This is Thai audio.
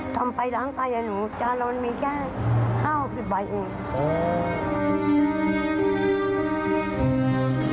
ทำไปล้างไต่อ่ะหนูจานละมันมีแค่๕๖๐ใบอีก